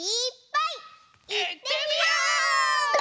いってみよう！